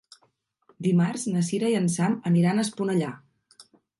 Dimarts na Sira i en Sam aniran a Esponellà.